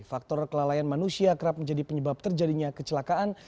faktor kelalaian manusia kerap menjadi penyebab terjadinya kecelakaan